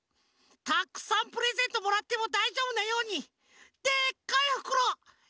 たっくさんプレゼントもらってもだいじょうぶなようにでっかいふくろよういしとこう！